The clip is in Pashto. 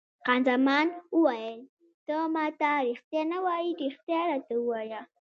خان زمان وویل: ته ما ته رښتیا نه وایې، رښتیا راته ووایه.